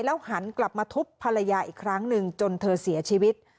หันกลับมาทุบภรรยาอีกครั้งหนึ่งจนเธอเสียชีวิต